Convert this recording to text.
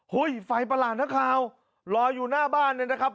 เฮ้ยไฟประหลาดนะครับลอยอยู่หน้าบ้านเลยนะครับ